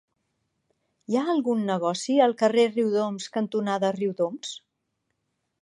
Hi ha algun negoci al carrer Riudoms cantonada Riudoms?